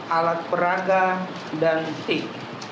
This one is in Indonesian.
alat peraga dan tik